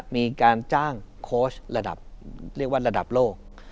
มีการจ้างโค้ชระดับเรียกว่าระดับโลก